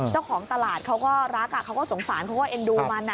เจ้าของตลาดเขาก็รักเขาก็สงสารเขาก็เอ็นดูมัน